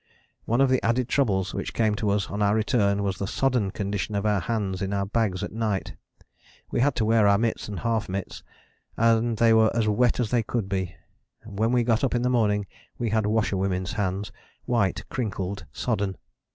One of the added troubles which came to us on our return was the sodden condition of our hands in our bags at night. We had to wear our mitts and half mitts, and they were as wet as they could be: when we got up in the morning we had washer women's hands white, crinkled, sodden.